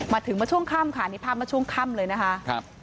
มาถึงมาช่วงค่ำค่ะนี่ภาพเมื่อช่วงค่ำเลยนะคะ